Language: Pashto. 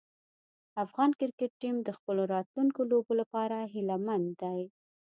افغان کرکټ ټیم د خپلو راتلونکو لوبو لپاره هیله مند دی.